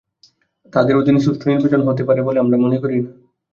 তাদের অধীনে সুষ্ঠু নির্বাচন হতে পারে বলে আমরা মনে করি না।